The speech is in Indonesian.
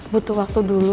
butuh waktu dulu